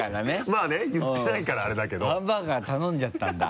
まぁね言ってないからあれだけどハンバーガー頼んじゃったんだ。